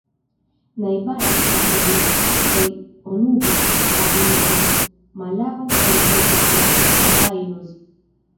Najbaras la provincoj Onubo, Kadizo, Malago, Kordovo kaj Badajoz.